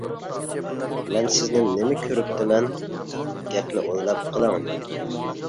-مەن سىزنى نېمە كۆرۈپتىمەن. گەپنى ئويلاپ قىلىڭ.